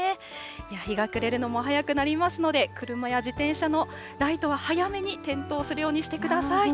日が暮れるのも早くなりますので、車や自転車のライトは早めに点灯するようにしてください。